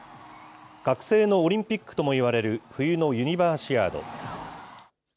学生のオリンピックともいわれる、冬のユニバーシアード。